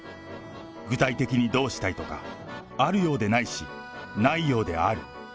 具体的にどうしたいとか、あるようでないし、ないようである。